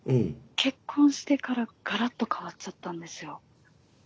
結婚してからガラッと変わっちゃったんですよ。